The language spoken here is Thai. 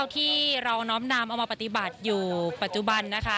ที่เราน้อมนำเอามาปฏิบัติอยู่ปัจจุบันนะคะ